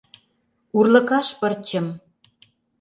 — Урлыкаш пырчым!..